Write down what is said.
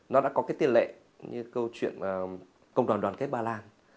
nó đã có cái tiền lệ như câu chuyện công đoàn đoàn kết ba lan